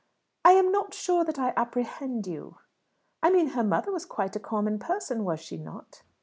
"I am not sure that I apprehend you." "I mean her mother was quite a common person, was she not?"